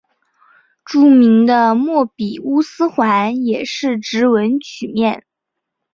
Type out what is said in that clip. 著名的莫比乌斯环也是直纹曲面。